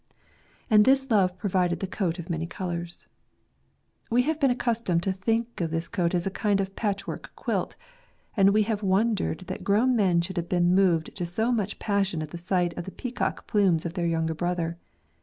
'' And this love provided the coat of many colours. We have been accustomed to think of this coat as a kind of patchwork quilt, and we have wondered that grown men should have been moved to so much passion at the sight of the peacock plumes of their younger brother.